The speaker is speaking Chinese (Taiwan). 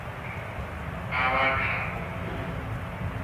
巴拉卡公路